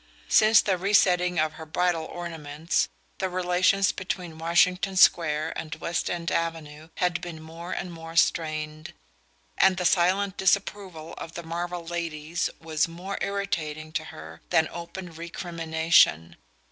Since the resetting of her bridal ornaments the relations between Washington Square and West End Avenue had been more and more strained; and the silent disapproval of the Marvell ladies was more irritating to her than open recrimination.